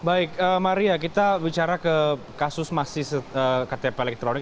baik maria kita bicara ke kasus masih ktp elektronik